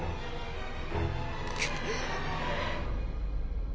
くっ！